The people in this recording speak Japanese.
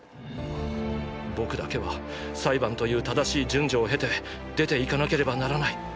僕だけは裁判という正しい順序を経て出ていかなければならない！！